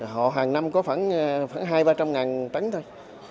họ hàng năm có khoảng hai trăm linh ba trăm linh ngàn trắng thôi